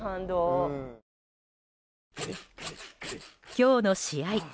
今日の試合